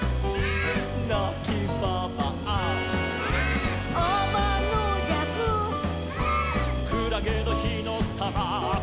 「なきばばあ」「」「あまのじゃく」「」「くらげのひのたま」「」